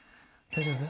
大丈夫？